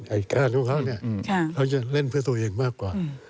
การของเขาเนี่ยเขาจะเล่นเพื่อตัวเองมากกว่า